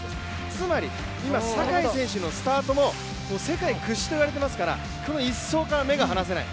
つまり今、坂井選手のスタートも世界屈指と言われていますからこの１走から目が離せない。